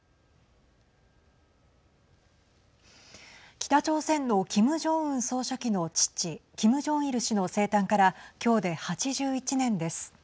北朝鮮のキム・ジョンウン総書記の父キム・ジョンイル氏の生誕から今日で８１年です。